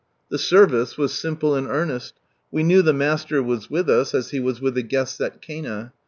The service was simple and earnest. We knew the Master was with us, as He was with the guests at Cana.